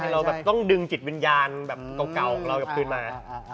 เราต้องดึงจิตวิญญาณเก่าของเรากับพื้นมา